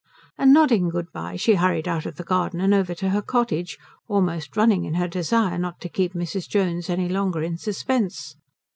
And nodding good bye she hurried out of the garden and over to her cottage, almost running in her desire not to keep Mrs. Jones any longer in suspense.